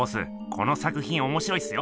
この作品おもしろいっすよ。